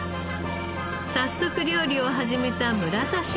早速料理を始めた村田シェフ。